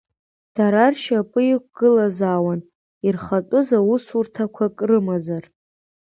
Дара ршьапы иқәгылазаауан ирхатәыз усурҭақәак рымазар.